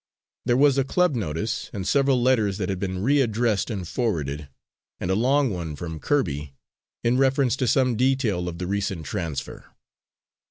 There was a club notice, and several letters that had been readdressed and forwarded, and a long one from Kirby in reference to some detail of the recent transfer.